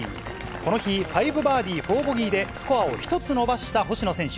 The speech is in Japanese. この日、５バーディー、４ボギーでスコアを１つ伸ばした星野選手。